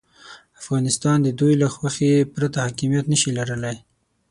افغانستان د دوی له خوښې پرته حاکمیت نه شي لرلای.